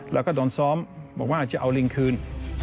แล้วก็โดนซ้อมบอกว่าจะเอาลิงคืน